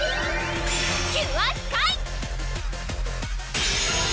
キュアスカイ！